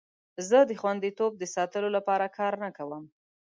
زه د خوندیتوب د ساتلو لپاره نه کار کوم.